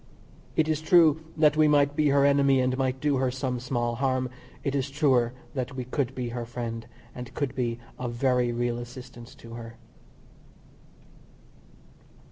It is true that we might be her enemy and might do her some small harm it is truer that we could be her friend, and could be of very real assistance to her.